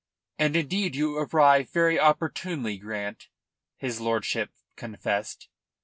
"And indeed you arrive very opportunely, Grant," his lordship confessed.